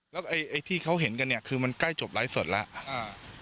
แล้วไอ้ที่เขาเห็นกันเนี่ยคือมันใกล้จบไลฟ์สดแล้วอ่า